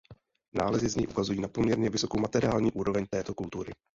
Nálezy z něj ukazují na poměrně vysokou materiální úroveň této kultury.